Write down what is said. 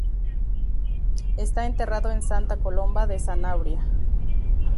Está enterrado en Santa Colomba de Sanabria.